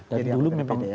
dan dulu memang